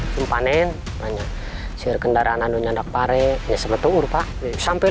tempanin banyak segera kendaraan andunya ndak pare sebetulnya sampai